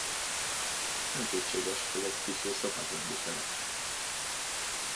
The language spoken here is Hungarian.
Nem kétséges, hogy ez kissé szokatlan viselet.